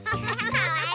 かわいい！